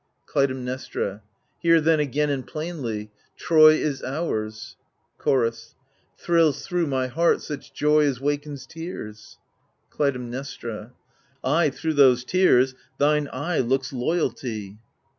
Clytemnestra Hear then again, and plainly — Troy is ours I Chorus Thrills thro' my heart such joy as wakens tears. Clytemnestra Ay, thro* those tears thine eye looks loyalty.